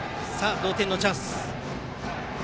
同点のチャンス。